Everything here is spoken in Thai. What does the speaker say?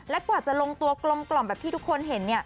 และกว่าจะลงตัวกลมแบบที่ทุกคนเห็น